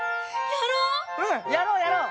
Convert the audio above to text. やろうやろう！